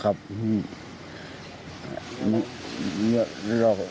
ชาวบ้านญาติโปรดแค้นไปดูภาพบรรยากาศขณะ